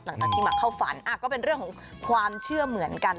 หลังจากที่มาเข้าฝันก็เป็นเรื่องของความเชื่อเหมือนกัน